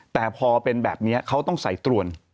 แต่พอเป็นแบบนี้เขาต้องใส่ตรวน